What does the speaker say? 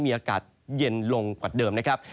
มีอากาศเย็นลงกว่าเดิมนะครับ